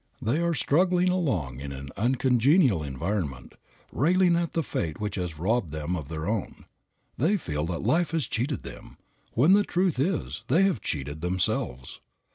They are struggling along in an uncongenial environment, railing at the fate which has robbed them of their own. They feel that life has cheated them, when the truth is they have cheated themselves.